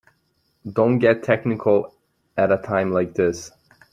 Don't get technical at a time like this.